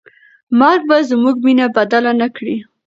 مرګ به زموږ مینه بدله نه کړي.